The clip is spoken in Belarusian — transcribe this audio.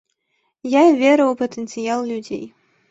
Я веру ў патэнцыял людзей.